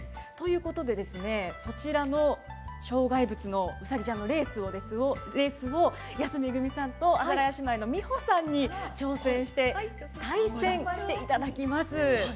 そちらの障害物のうさぎちゃんのレースを安めぐみさんと阿佐ヶ谷姉妹の美穂さんに挑戦して対戦していただきます。